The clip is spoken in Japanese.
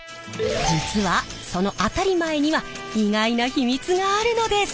実はその当たり前には意外な秘密があるのです！